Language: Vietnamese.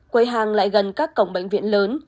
quay hàng lại gần các cổng bệnh viện lớn